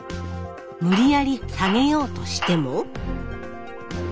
無理やり下げようとしても。